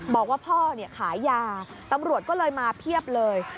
บอกว่าพ่อขายยาตำรวจก็เลยมาเพียบเลย